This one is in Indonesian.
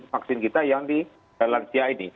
vaksin kita yang di lansia ini